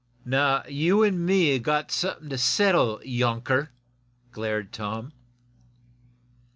"Now, you an' me have got something to settle, younker," glared Tom.